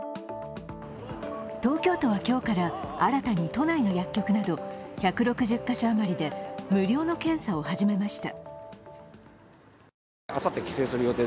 東京都は今日から新たに都内の薬局など１６０カ所余りで無料検査を始めました。